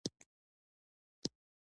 سپین ږیري او سپین سرې ناستې وي.